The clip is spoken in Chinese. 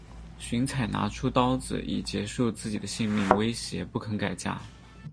荀采拿出刀子以自己的性命威胁不肯改嫁。